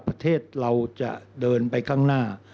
ประเทศเราจะเดินไปข้างหน้า